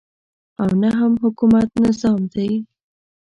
او نه هم حکومت نظام دی.